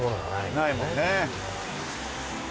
ないもんね。